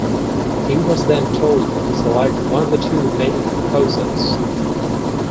He was then told to select one of the two remaining proposals.